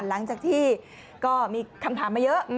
หลังจากที่ก็มีคำถามมาเยอะ